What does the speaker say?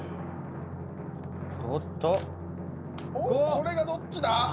これがどっちだ！？